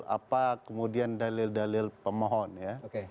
apa kemudian dalil dalil pemohon ya